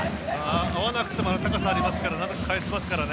合わなくても高さがありますから返せますからね。